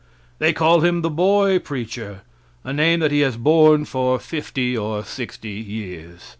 They call him the boy preacher a name that he has borne for fifty or sixty years.